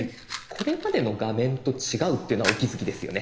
これまでの画面と違うっていうのはお気付きですよね？